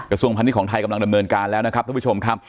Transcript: กระทรวงพาณิชย์ไทยกำลังดำเนินการแล้วนะครับท่านผู้ชมครับ